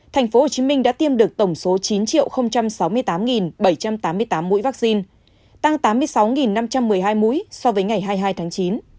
tp hcm đã tiêm được tổng số chín sáu mươi tám bảy trăm tám mươi tám mũi vaccine tăng tám mươi sáu năm trăm một mươi hai mũi so với ngày hai mươi hai tháng chín